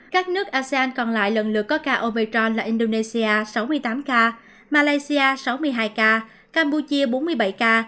các nước asean còn lại lần lượt có ca omicron là indonesia sáu mươi tám ca malaysia sáu mươi hai ca campuchia bốn mươi bảy ca